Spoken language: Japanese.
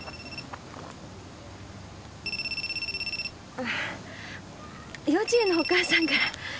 あっ幼稚園のお母さんから。